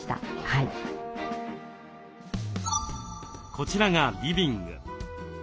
こちらがリビング。